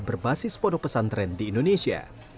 berbasis pondok pesantren di indonesia